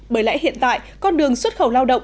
bởi lẽ hiện tại con đường xuất khẩu lao động